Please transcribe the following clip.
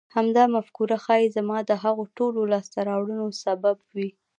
همدا مفکوره ښايي زما د هغو ټولو لاسته راوړنو سبب وي.